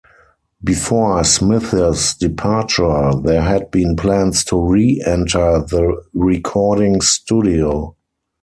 Before Smith's departure, there had been plans to re-enter the recording studio.